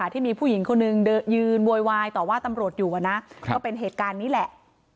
ที่มีผู้หญิงคนหนึ่งยืนโวยวายต่อว่าตำรวจอยู่นะก็เป็นเหตุการณ์นี้แหละ